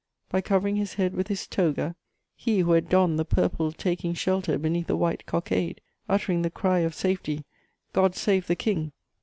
By covering his head with his toga! He who had donned the purple taking shelter beneath the white cockade, uttering the cry of safety: "God save the King!"